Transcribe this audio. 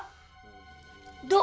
ya ampun dok